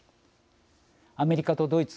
アメリカとドイツ